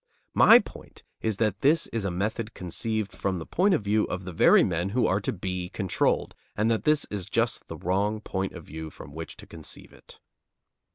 My point is that this is a method conceived from the point of view of the very men who are to be controlled, and that this is just the wrong point of view from which to conceive it.